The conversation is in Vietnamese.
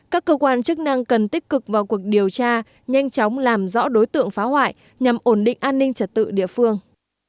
các cơ quan chức năng cần tích cực vào cuộc điều tra nhanh chóng làm rõ đối tượng phá hoại nhằm ổn định an ninh trật tự địa phương